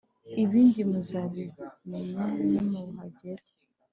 ibindi muzabimenya nimuhagera.